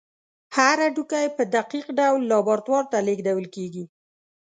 هر هډوکی په دقیق ډول لابراتوار ته لیږدول کېږي.